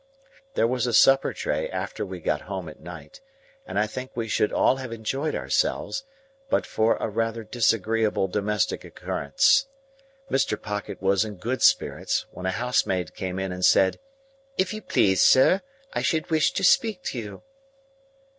There was a supper tray after we got home at night, and I think we should all have enjoyed ourselves, but for a rather disagreeable domestic occurrence. Mr. Pocket was in good spirits, when a housemaid came in, and said, "If you please, sir, I should wish to speak to you."